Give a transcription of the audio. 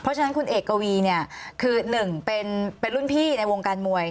เพราะฉะนั้นคุณเอกวีเนี่ยคือหนึ่งเป็นรุ่นพี่ในวงการมวย